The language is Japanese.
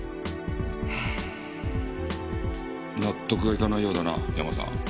納得がいかないようだなヤマさん。